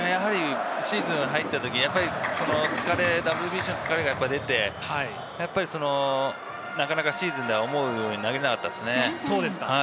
シーズンに入った時はＷＢＣの疲れが出て、なかなかシーズンでは思うように投げれなかったですね。